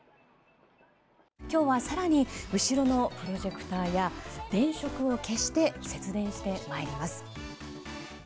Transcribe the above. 今日は更に後ろのプロジェクターや電飾を消して節電して参ります。